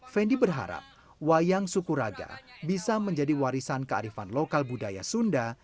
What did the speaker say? fendi berharap wayang sukuraga bisa menjadi warisan kearifan lokal budaya sunda